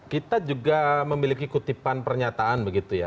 kita juga memiliki kutipan pernyataan